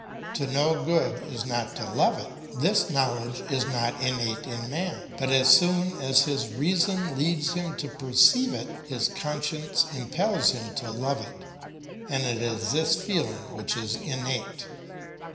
To know good is not to love it; this knowledge is not innate in man; but as soon as his reason leads him to perceive it, his conscience impels him to love it; it is this feeling which is innate.